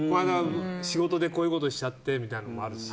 仕事でこういうことしちゃってみたいなのもあるし。